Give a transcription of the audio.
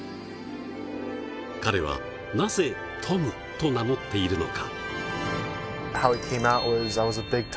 彼はなぜ「トム」と名乗っているのか。